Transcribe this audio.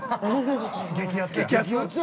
◆激アツや。